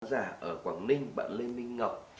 bác giả ở quảng ninh bạn lê minh ngọc